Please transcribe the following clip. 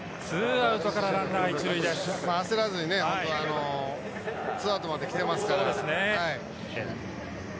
焦らずに、２アウトまで来ていますから。